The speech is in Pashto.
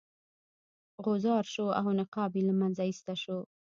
غوځار شو او نقاب یې له مخه ایسته شو.